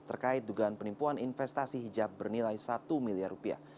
terkait dugaan penipuan investasi hijab bernilai satu miliar rupiah